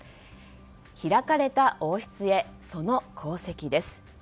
開かれた王室へ、その功績です。